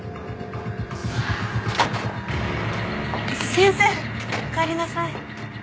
先生おかえりなさい。